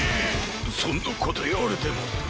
そんなこといわれても。